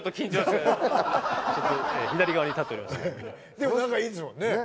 でも仲いいんですもんね？